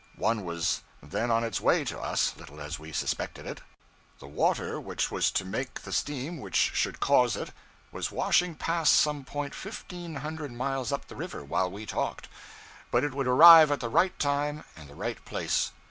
One was then on its way to us, little as we suspected it; the water which was to make the steam which should cause it, was washing past some point fifteen hundred miles up the river while we talked; but it would arrive at the right time and the right place.